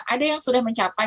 ada yang sudah mencapai